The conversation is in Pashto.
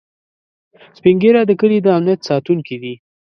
سپین ږیری د کلي د امنيت ساتونکي دي